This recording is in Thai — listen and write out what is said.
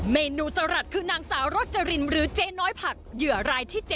เมนูสลัดคือนางสาวรจรินหรือเจ๊น้อยผักเหยื่อรายที่๗